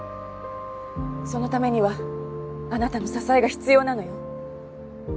そのためにはあなたの支えが必要なのよ。